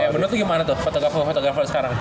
menurut lu gimana tuh fotografer dua sekarang